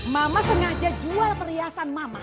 mama sengaja jual perhiasan mama